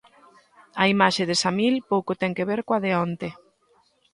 A imaxe de Samil pouco ten que ver coa de onte.